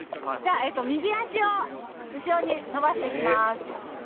右足を後ろに伸ばして行きます。